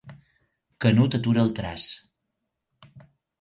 Canut atura el traç.